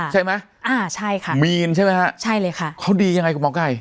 ใช่ไหมอ่าใช่ค่ะมีนใช่ไหมฮะใช่เลยค่ะเขาดียังไงคุณหมอไก่